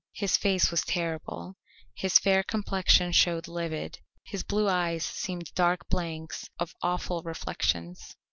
His face was terrible, his fair complexion showed livid; his blue eyes seemed dark blanks of awful reflections.